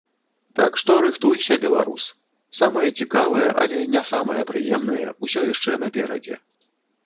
Так што рыхтуйся, беларус, самае цікавае, але не самае прыемнае, усё яшчэ наперадзе.